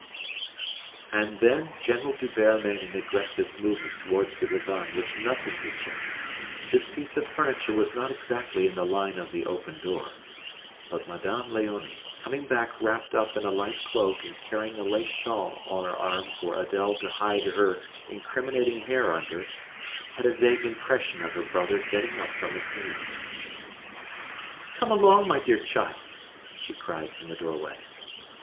And then General D'Hubert made an aggressive movement towards the divan which nothing could check. This piece of furniture was not exactly in the line of the open door. But Madame Léonie, coming back wrapped up in a light cloak and carrying a lace shawl on her arm for Adèle to hide her incriminating hair under, had a vague impression of her brother getting up from his knees. "Come along, my dear child," she cried from the doorway.